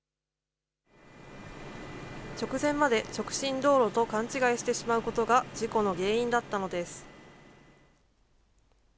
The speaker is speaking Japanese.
直前まで直進道路と勘違いしてしまうことが、事故の原因だったのです。